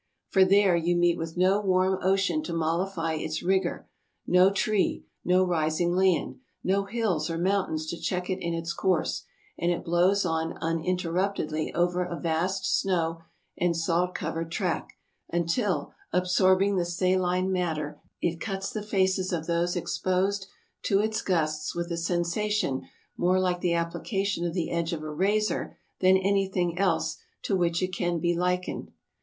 For there you meet with no warm ocean to mollify its rigor, no tree, no rising land, no hills or moun tains to check it in its course, and it blows on uninter ruptedly over a vast snow and salt covered track, until, absorbing the saline matter, it cuts the faces of those exposed to its gusts with a sensation more like the application of the edge of a razor than anything else to which it can be likened.